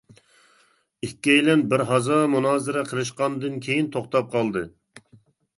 ئىككىيلەن بىر ھازا مۇنازىرە قىلىشقاندىن كىيىن توختاپ قالدى.